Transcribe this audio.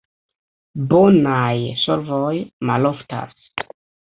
Bonaj solvoj maloftas.